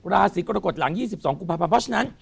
ราศีกรกฎหลัง๒๒กุมภาพันธ์เพราะฉะนั้น